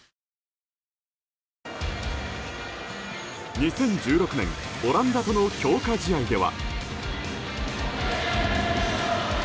２０１６年オランダとの強化試合では。